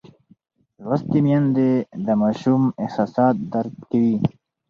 لوستې میندې د ماشوم احساسات درک کوي.